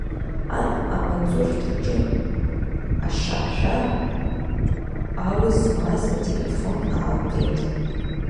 Ан амаҵурҭаҿынтә ашашәа ау змаз ателефон аалгеит.